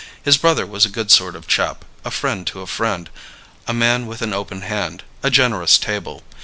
His brother was a good sort of chap, a friend to a friend, a man with an open hand, a generous table.